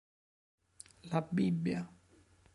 La Bibbia